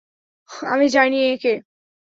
আমি জানি এ কে।